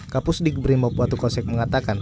kapus dig brimob watukosek mengatakan